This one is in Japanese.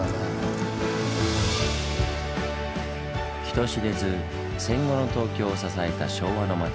人知れず戦後の東京を支えた昭和の街。